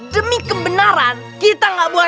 demi kebenaran kita nggak buat takut